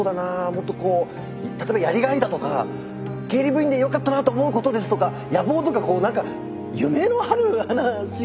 もっとこう例えばやりがいだとか経理部員でよかったなと思うことですとか野望とかこう何か夢のある話があると。